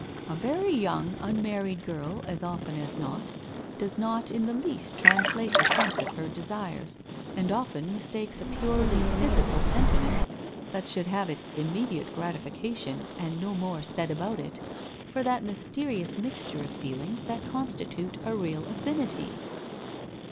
' A very young un married girl, as often as not, does not in the least trans late the sense of her desires and often mistakes a purely physical sentiment that should have it's immediate grati fication and no more said about it, for that mysterious mixture of feelings that constitute a real affinity.'